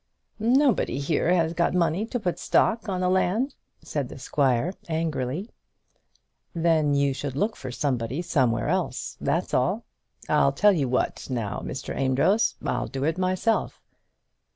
"Nobody here has got money to put stock on the land," said the squire, angrily. "Then you should look for somebody somewhere else. That's all. I'll tell you what now, Mr. Amedroz, I'll do it myself."